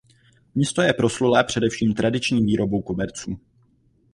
Město je proslulé především tradiční výrobou koberců.